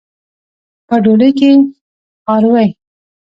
په ډولۍ کې خاروئ.